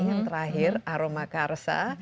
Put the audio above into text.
yang terakhir aroma karsa